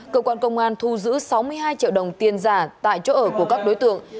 cơ quan công an thu giữ sáu mươi hai triệu đồng tiền giả tại chỗ ở của các đối tượng